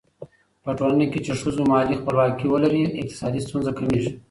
په ټولنه کې چې ښځو مالي خپلواکي ولري، اقتصادي ستونزې کمېږي.